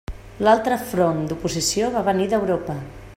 L'altre front d'oposició va venir d'Europa.